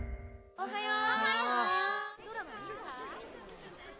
・おはよう！